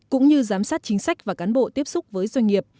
cũng như giám sát chính sách và cán bộ tiếp xúc với doanh nghiệp